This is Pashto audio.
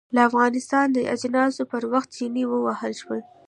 لکه افغانستان د اجناسو پر وخت چنې ووهل شي.